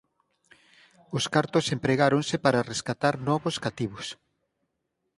Os cartos empregáronse para rescatar novos cativos.